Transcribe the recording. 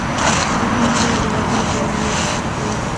بوټونه کله د واده لپاره نوي اخیستل کېږي.